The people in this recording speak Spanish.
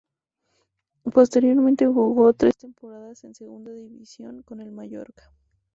Posteriormente jugó tres temporadas en Segunda División con el Mallorca.